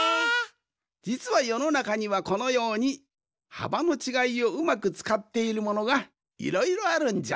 じつはよのなかにはこのようにはばのちがいをうまくつかっているものがいろいろあるんじゃ。